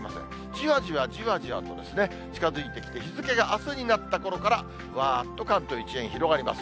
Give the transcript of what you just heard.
じわじわじわじわとですね、近づいてきて、日付があすになったころから、わーっと関東一円、広がります。